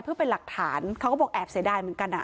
เพื่อเป็นหลักฐานเขาก็บอกแอบเสียดายเหมือนกัน